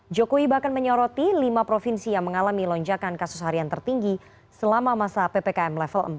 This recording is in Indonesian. jokowi bahkan menyoroti lima provinsi yang mengalami lonjakan kasus harian tertinggi selama masa ppkm level empat